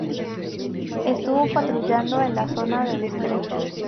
Estuvo patrullando en la zona del estrecho.